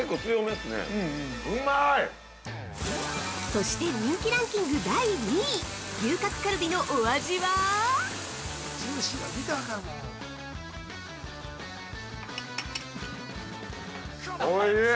◆そして人気ランキング第２位、「牛角カルビ」のお味は◆おいしい。